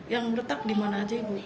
yang retak di mana saja ibu